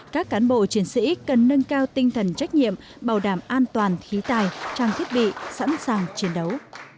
các cán bộ chiến sĩ cần nâng cao tinh thần trách nhiệm bảo đảm an toàn khí tài trang thiết bị sẵn sàng chiến đấu